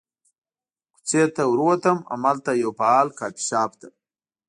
کوڅې ته ور ووتم، همالته یوه فعال کافي شاپ ته.